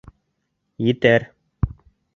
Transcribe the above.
Етәр.